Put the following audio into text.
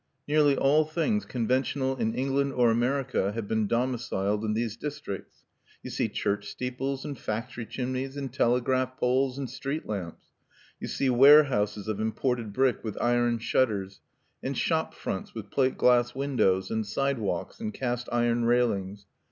Nearly all things conventional in England or America have been domiciled in these districts. You see church steeples and factory chimneys and telegraph poles and street lamps. You see warehouses of imported brick with iron shutters, and shop fronts with plate glass windows, and sidewalks, and cast iron railings.